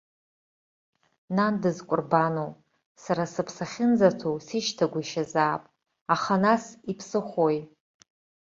Нан дызкәырбану, сара сыԥсы ахьынӡаҭоу сишьҭагәышьазаап, аха нас иԥсыхәои?